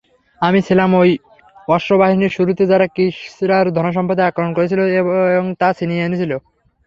আমি ছিলাম ঐ অশ্ববাহিনীর শুরুতে যারা কিসরার ধনসম্পদে আক্রমণ করেছিল এবং তা ছিনিয়ে এনেছিল।